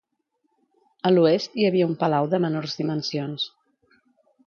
A l'oest hi havia un palau de menors dimensions.